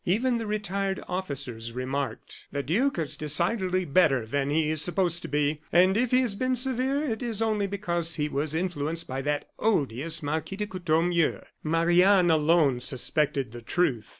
Even the retired officers remarked: "The duke is decidedly better than he is supposed to be, and if he has been severe, it is only because he was influenced by that odious Marquis de Courtornieu." Marie Anne alone suspected the truth.